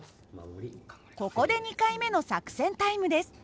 ここで２回目の作戦タイムです。